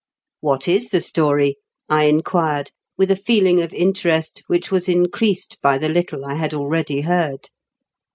"What is the story?" I inquired, with a feeling of interest which was increased by the little I had already heard.